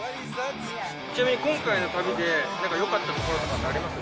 ちなみに、今回の旅で、なんか、よかったところとかってあります？